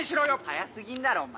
早過ぎんだろお前。